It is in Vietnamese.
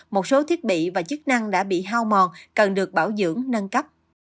một số thiết bị và chức năng đã bị hao mòn cần được bảo dưỡng nâng cấp